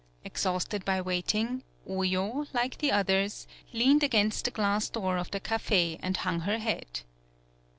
Exhausted by waiting, Oyo, like the others, leaned against the glass door of the Cafe and hung her head.